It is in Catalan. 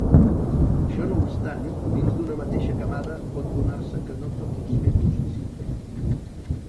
Això no obstant, dins d'una mateixa camada pot donar-se que no tots els fetus s'infectin.